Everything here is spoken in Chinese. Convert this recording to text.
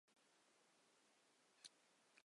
腺萼越桔为杜鹃花科越桔属下的一个种。